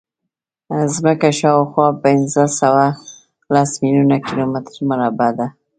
ځمکه شاوخوا پینځهسوهلس میلیونه کیلومتره مربع ده.